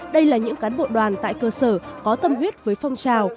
đây là những cán bộ đoàn tại cơ sở có tâm huyết với phong trào